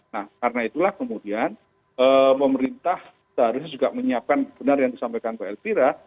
nah karena itulah kemudian pemerintah seharusnya juga menyiapkan benar yang disampaikan mbak elvira